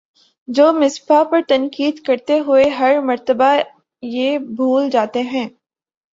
جو مصباح پر تنقید کرتے ہوئے ہر مرتبہ یہ بھول جاتے ہیں